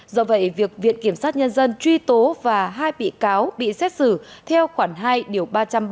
do vậy việc viện kiểm sát nhân dân truy tố và hai bị cáo bị xét xử theo khoảng hai ba trăm ba mươi một